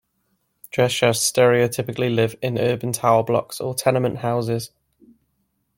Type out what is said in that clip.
Dresiarze stereotypically live in urban tower blocks or tenement houses.